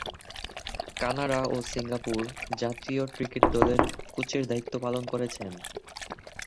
Canada ও Singapore জাতীয় cricket দলের কোচের দায়িত্ব পালন করেছেন।